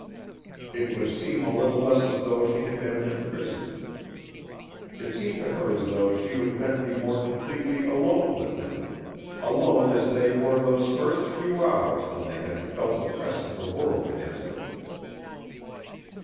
It would seem a little less as though she had been imprisoned. It seemed to her as though she would then be more completely alone with him alone as they were those first few hours when they had felt the press of the world against them.